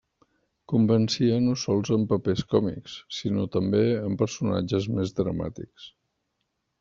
Convencia no sols en papers còmics, sinó també en personatges més dramàtics.